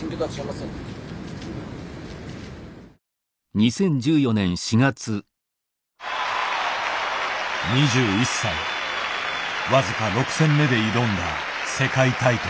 ２１歳僅か６戦目で挑んだ世界タイトル。